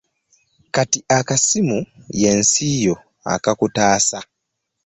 Kati akasimu y'ensi yo, akakutaasa